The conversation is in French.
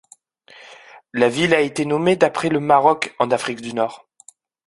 La ville a été nommée d’après le Maroc, en Afrique du Nord.